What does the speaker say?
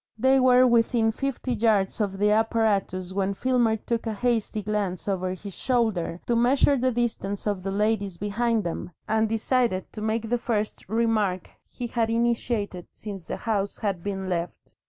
They were within fifty yards of the apparatus when Filmer took a hasty glance over his shoulder to measure the distance of the ladies behind them, and decided to make the first remark he had initiated since the house had been left.